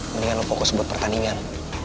mendingan fokus buat pertandingan